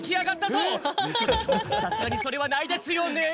さすがにそれはないですよね。